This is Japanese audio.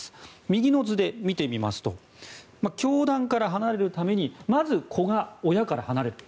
右の図で見てみますと教団から離れるためにまず、子が親から離れる。